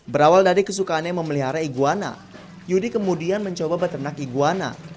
berawal dari kesukaannya memelihara iguana yudi kemudian mencoba beternak iguana